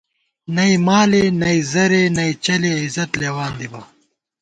نئ مالے نئ زرے نئ چَلے عزت لېوان دِبہ